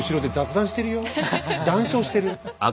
談笑してる。